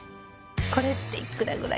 これっていくらぐらい？